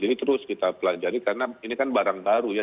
terus kita pelajari karena ini kan barang baru ya